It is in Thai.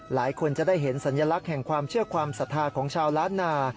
หลายคนจะได้เห็นสัญลักษณ์แห่งความเชื่อความศรัทธาของชาวล้านนา